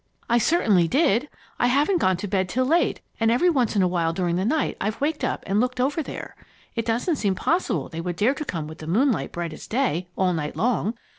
"I certainly did. I haven't gone to bed till late, and every once in a while during the night, I've waked up and looked over there. It doesn't seem possible they would dare to come with the moonlight bright as day, all night long.